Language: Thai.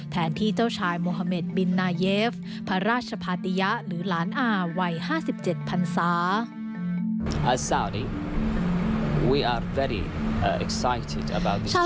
แทนที่เจ้าชายโมฮาเมดบินนายเยฟพระราชภาติยะหรือหลานอาวัย๕๗พันศา